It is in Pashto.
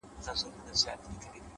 علم د ناپوهۍ پر وړاندې ډال دی’